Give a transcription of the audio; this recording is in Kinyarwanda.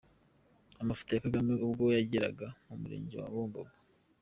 Amafoto ya Kagame ubwo yageraga mu Murenge wa Bumbogo.